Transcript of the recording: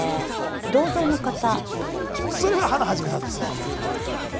それはハナ肇さんです。